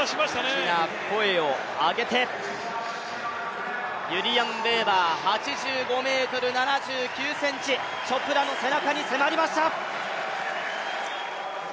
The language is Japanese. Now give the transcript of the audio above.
大きな声を上げて、ユリアン・ベーバー、８５ｍ７９ｃｍ、チョプラの背中に迫りました。